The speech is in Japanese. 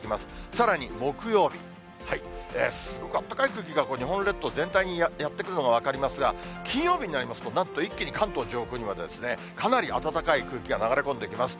さらに木曜日、すごくあったかい空気が日本列島全体にやって来るのが分かりますが、金曜日になりますと、なんと一気に関東上空にまでかなり暖かい空気が流れ込んできます。